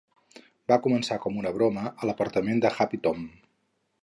Va començar com una broma a l'apartament de Happy-Tom.